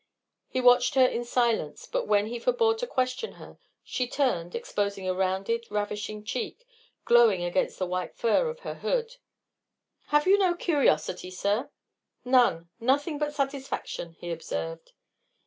He watched her in silence; but when he forebore to question her, she turned, exposing a rounded, ravishing cheek, glowing against the white fur of her hood. "Have you no curiosity, sir?" "None! Nothing but satisfaction," he observed.